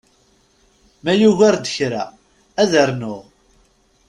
Ma yugar-d kra, ad rnuɣ.